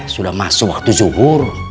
sudah masuk waktu zuhur